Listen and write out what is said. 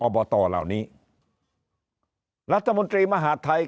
๓๒อบตละวันนี้